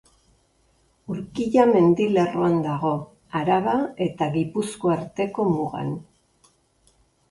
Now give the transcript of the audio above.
Urkilla mendilerroan dago, Araba eta Gipuzkoa arteko mugan.